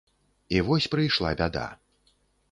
І вось прыйшла бяда.